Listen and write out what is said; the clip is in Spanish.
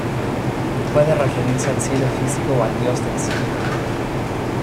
Puede referirse al cielo físico o al dios del cielo.